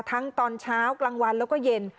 ตอนเช้ากลางวันแล้วก็เย็น